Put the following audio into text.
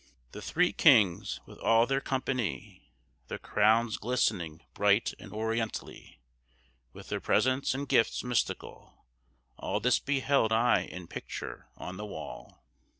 . the Thre Kinges, with all their company, Their crownes glistning bright and oriently, With their presentes and giftes misticall. All this behelde I in picture on the wall."